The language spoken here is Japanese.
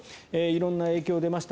色んな影響が出ました。